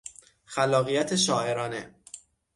خلاقیت شاعرانه